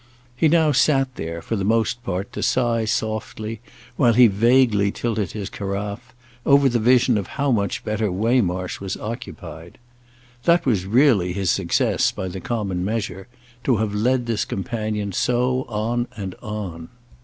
He now sat there, for the most part, to sigh softly, while he vaguely tilted his carafe, over the vision of how much better Waymarsh was occupied. That was really his success by the common measure—to have led this companion so on and on.